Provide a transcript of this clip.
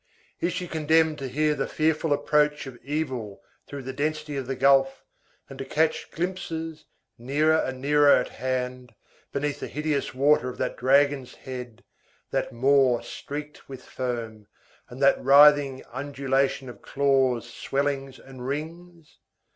Is she condemned to hear the fearful approach of Evil through the density of the gulf, and to catch glimpses, nearer and nearer at hand, beneath the hideous water of that dragon's head, that maw streaked with foam, and that writhing undulation of claws, swellings, and rings?